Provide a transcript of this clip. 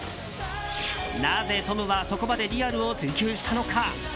なぜトムはそこまでリアルを追求したのか。